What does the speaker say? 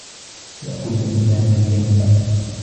يَأْكُلُ الْإِنْسانُ كَيْ يَنْمُوَ.